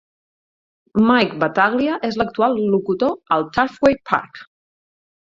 Mike Battaglia és l'actual locutor al Turfway Park.